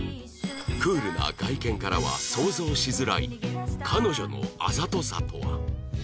クールな外見からは想像しづらい彼女のあざとさとは？